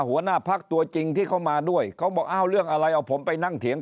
หัวหน้าพักตัวจริงที่เขามาด้วยเขาบอกอ้าวเรื่องอะไรเอาผมไปนั่งเถียง